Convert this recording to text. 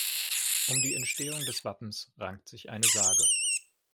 Um die Entstehung des Wappens rankt sich eine Sage.